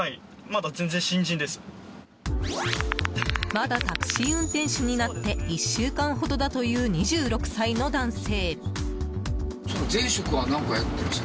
まだタクシー運転手になって１週間ほどだという２６歳の男性。